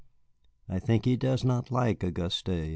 I think he does not like Auguste.